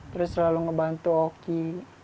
terus selalu ngebantu oki